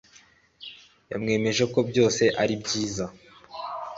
yamwijeje ko byose ari byiza